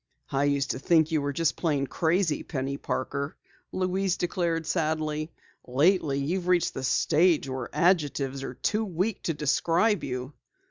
"I used to think you were just plain crazy, Penny Parker," Louise declared sadly. "Lately you've reached the stage where adjectives are too weak to describe you!"